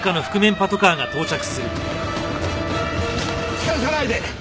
近づかないで！